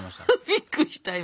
びっくりした今。